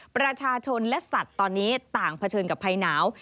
ประชาชนและสัตว์ตอนนี้ต่างเผชิญกับภัยหนาว